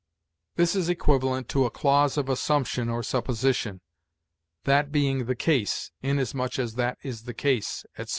This is equivalent to a clause of assumption, or supposition: 'That being the case,' 'inasmuch as that is the case,' etc.